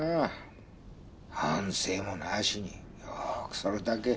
反省もなしによくそれだけ。